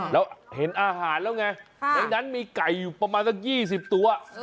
แล้วเห็นอาหารแล้วไงในนั้นมีไก่อยู่ประมาณสัก๒๐ตัว